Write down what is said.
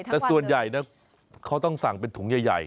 แต่ส่วนใหญ่นะเขาต้องสั่งเป็นถุงใหญ่